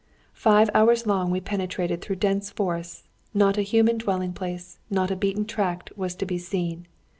Five hours long we penetrated through dense forests: not a human dwelling place, not a beaten tract was to be seen.